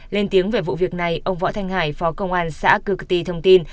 lên tiếng về vụ việc này ông võ thanh hải phó công an xã cư cử tì thông tin